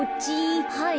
はい。